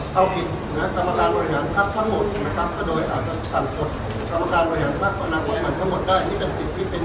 จากความโทษในปฏิกิจและแบบนี้อยู่จากต้นตัน